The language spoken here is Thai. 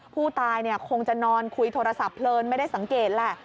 ผู้ตายคงจะนอนคุยโทรศัพท์เพลินไม่ได้สังเกตแหละ